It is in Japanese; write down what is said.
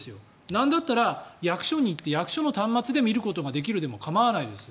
なんだったら役所に行って役所の端末で見ることができるでも構わないです。